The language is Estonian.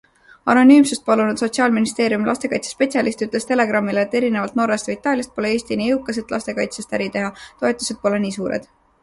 Anonüümsust palunud sotsiaalministeeriumi lastekaitsekaitsespetsialist ütles Telegramile, et erinevalt Norrast või Itaaliast pole Eesti nii jõukas, et lastekaitsest äri teha - toetused pole nii suured.